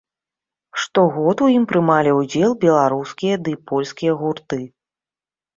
Штогод у ім прымалі ўдзел беларускія ды польскія гурты.